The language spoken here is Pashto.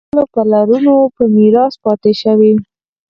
دوی ته له خپلو پلرونو په میراث پاتې شوي.